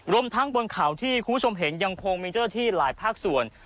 รวมทั้งบนเขาที่คุณผู้ชมเห็นยังคงมีเจ้าหน้าที่หลายภาคส่วน